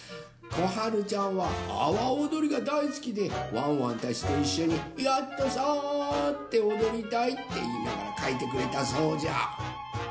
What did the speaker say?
こはるちゃんはあわおどりがだいすきでワンワンたちといっしょに「ヤットサー！」っておどりたいっていいながらかいてくれたそうじゃ。